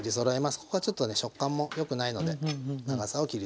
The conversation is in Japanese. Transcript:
ここはちょっとね食感もよくないので長さを切りそろえていきます。